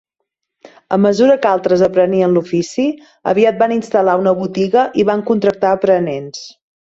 A mesura que altres aprenien l'ofici, aviat van instal·lar una botiga i van contractar aprenents.